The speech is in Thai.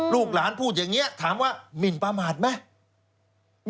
ลูกหลานพูดอย่างนี้ถามว่าหมินประมาทไหม